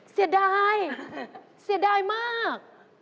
เสียดายเสียดายมาก